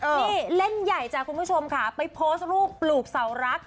นี่เล่นใหญ่จ้ะคุณผู้ชมค่ะไปโพสต์รูปปลูกเสารัก